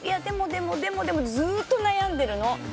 でもでもってずっと悩んでるの。